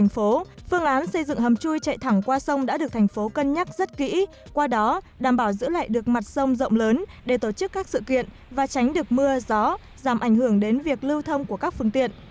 phương án xây dựng hầm chui chạy thẳng qua sông đã được thành phố cân nhắc rất kỹ qua đó đảm bảo giữ lại được mặt sông rộng lớn để tổ chức các sự kiện và tránh được mưa gió giảm ảnh hưởng đến việc lưu thông của các phương tiện